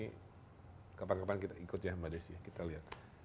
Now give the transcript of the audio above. ini kapan kapan kita ikut ya mbak desi ya kita lihat